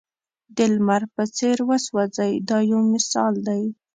د لمر په څېر وسوځئ دا یو مثال دی.